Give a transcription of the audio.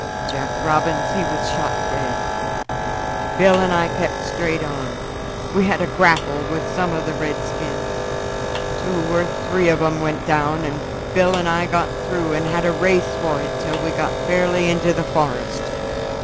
Jack Robins he was shot dead. Bill and I kept straight on. We had a grapple with some of the redskins; two or three on 'em went down, and Bill and I got through and had a race for it till we got fairly into the forest.